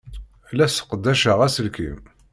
La sseqdaceɣ aselkim.